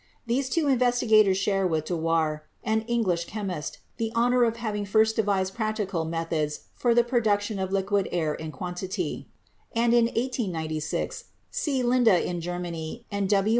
These two investigators share with Dewar, an English chemist, the honor of having first devised practical meth ods for the production of liquid air in quantity; and in 270 CHEMISTRY 1896 C. Linde in Germany and W.